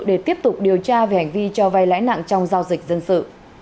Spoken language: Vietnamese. để tiếp tục điều tra về hành vi cho vay lãi nặng trong giao dịch dân sự